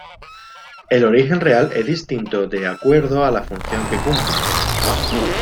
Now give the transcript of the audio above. El origen real es distinto de acuerdo a la función que cumplan.